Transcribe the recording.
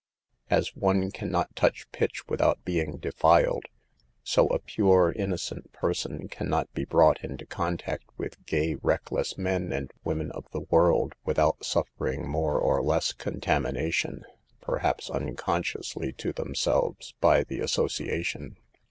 As one can not touch pitch without being defiled, so a pure innocent person can not be brought into con tact with gay, reckless men and women of the world, without suffering more or less contam ination, perhaps unconsciously to themselves, by the association.